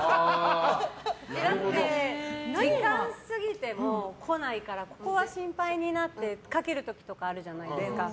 時間過ぎても来ないからここは心配になってかける時とかあるじゃないですか？